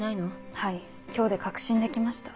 はい今日で確信できました。